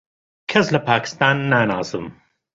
کەس لە پاکستان ناناسم.